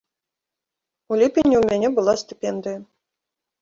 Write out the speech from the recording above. У ліпені ў мяне была стыпендыя.